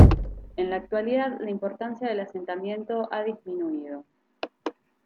En la actualidad la importancia del asentamiento ha disminuido.